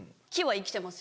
生きてます！